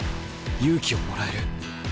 勇気をもらえる。